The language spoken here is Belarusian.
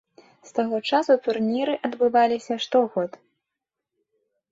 З таго часу турніры адбываліся штогод.